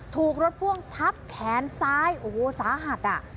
ถูกรถพ่วงทับแขนซ้ายโอ้โหสาหัสอ่ะ